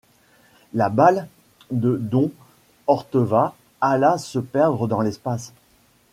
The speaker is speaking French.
La balle de don Orteva alla se perdre dans l’espace.